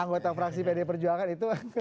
anggota fraksi pd perjuangan itu